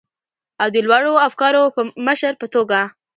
او د لوړو افکارو مشر په توګه،